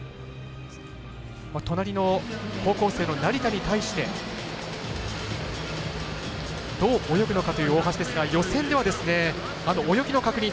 隣の高校生の成田に対してどう泳ぐのかという大橋ですが予選では泳ぎの確認